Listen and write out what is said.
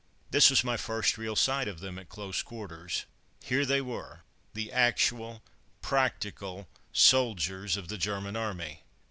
This was my first real sight of them at close quarters. Here they were the actual, practical soldiers of the German army.